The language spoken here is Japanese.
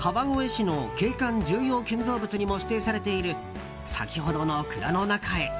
川越市の景観重要建造物にも指定されている先ほどの蔵の中へ。